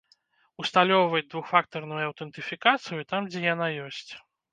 Усталёўваць двухфактарную аўтэнтыфікацыю, там дзе яна ёсць.